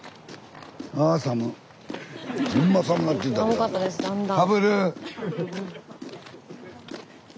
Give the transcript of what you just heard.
寒かったですだんだん。